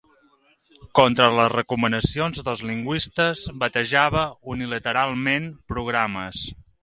Contra les recomanacions dels lingüistes, batejava unilateralment programes.